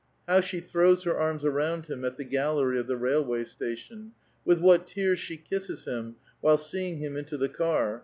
How she throws her arms around him at the gallery of the railway station ! With what tears she kisses him, while seeing him into the car